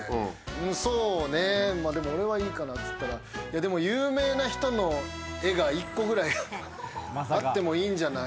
うんそうね、まぁ、でも俺はいいかなって言ったら、でも有名な人のエガ１個くらいあってもいいんじゃない？